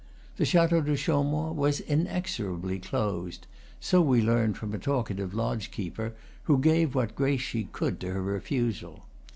The Chateau de Chaumont was inexorably closed; so we learned from a talkative lodge keeper, who gave what grace she could to her refusal.